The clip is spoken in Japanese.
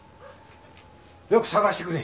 よく探してくれ。